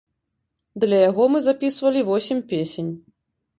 Для яго мы запісалі восем песень.